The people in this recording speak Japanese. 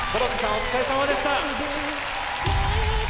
お疲れさまでした！